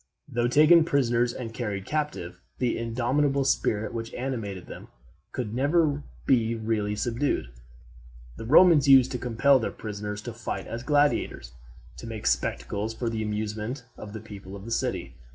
Though taken prisoners and carried captive, the indomitable spirit which animated them could never be really subdued. The Romans used sometimes to compel their prisoners to fight as gladiators, to make spectacles for the amusement of the people of the city.